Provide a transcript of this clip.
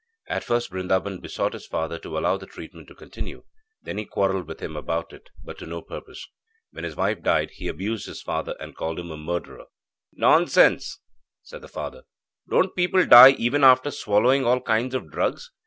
At first Brindaban besought his father to allow the treatment to continue; then he quarrelled with him about it, but to no purpose. When his wife died, he abused his father and called him a murderer. Country doctor, unqualified by any medical training. 'Nonsense!' said the father. 'Don't people die even after swallowing all kinds of drugs?